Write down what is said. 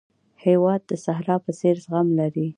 هېواد د صحرا په څېر زغم لري.